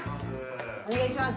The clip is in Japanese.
お願いします。